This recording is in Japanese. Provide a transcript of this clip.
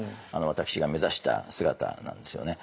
私が目指した姿なんですよね。